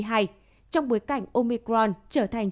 trong bối cảnh omicron trở thành